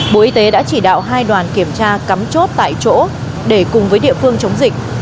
bộ y tế đã chỉ đạo hai đoàn kiểm tra cắm chốt tại chỗ để cùng với địa phương chống dịch